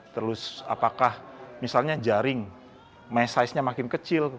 terus apakah misalnya jaring mei size nya makin kecil